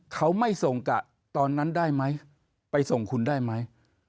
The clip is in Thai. เขาไม่ส่งกะตอนนั้นได้ไหมไปส่งคุณได้ไหม